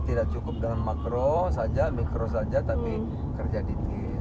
tidak cukup dengan makro saja mikro saja tapi kerja detail